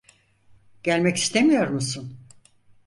Gelmek istemiyor musun?